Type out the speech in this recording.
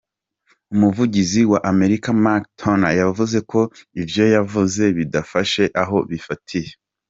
Umuvugizi wa Amerika Mark Toner yavuze ko ivyo yavuze bidafise aho bifatiye.